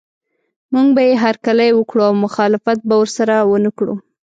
موږ به یې هرکلی وکړو او مخالفت به ورسره ونه کړو.